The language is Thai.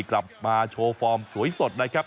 กลับมาโชว์ฟอร์มสวยสดนะครับ